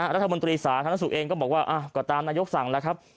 รัฐบนตรีศาสตร์ธนสุกร์เองก็บอกว่าก็ตามนายกสังแล้วครับ